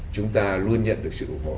chúng ta luôn nhận được sự ủng hộ